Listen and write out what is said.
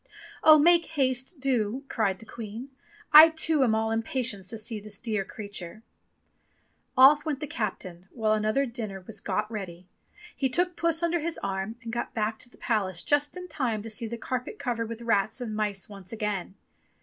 "Oh, make haste, do!" cried the Queen, "I, too, am all impatience to see this dear creature." Off went the captain, while another dinner was got ready. He took Puss under his arm and got back to the palace just in time to see the carpet covered with rats and mice once again.